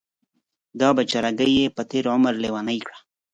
دا بیچارګۍ یې په تېر عمر لیونۍ کړه.